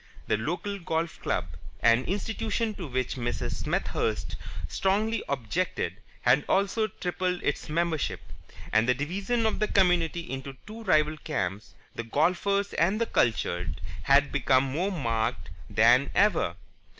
The local golf club, an institution to which Mrs. Smethurst strongly objected, had also tripled its membership; and the division of the community into two rival camps, the Golfers and the Cultured, had become more marked than ever.